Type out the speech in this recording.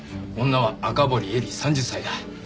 女は赤堀絵里３０歳だ。